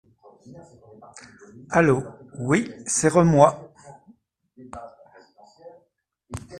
Allô !… oui, c’est re-moi.